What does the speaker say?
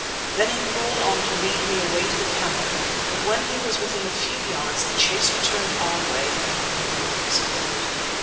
Then he crawled on to lead me away to the camel, but when he was within a few yards the chase returned our way and Marût was killed.